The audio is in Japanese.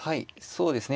そうですね